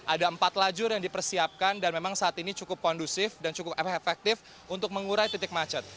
ada empat lajur yang dipersiapkan dan memang saat ini cukup kondusif dan cukup efektif untuk mengurai titik macet